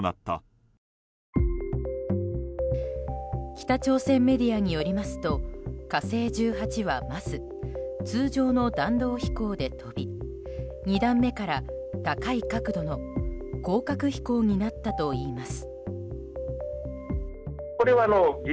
北朝鮮メディアによりますと「火星１８」はまず、通常の弾道飛行で飛び２段目から高い角度の高角飛行になったといいます。